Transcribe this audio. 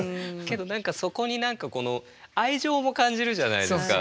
けどそこに何か愛情も感じるじゃないですか。